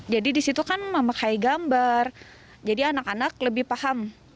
jadi di situ kan memakai gambar jadi anak anak lebih paham